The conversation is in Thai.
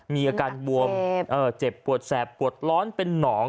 มีอาการบวมเจ็บปวดแสบปวดร้อนเป็นหนอง